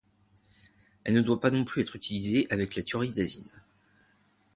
Elle ne doit pas non plus être utilisée avec la thioridazine.